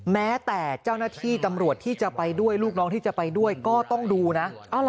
แม้แต่เจ้าหน้าที่ตำรวจที่จะไปด้วยลูกน้องที่จะไปด้วยก็ต้องดูนะ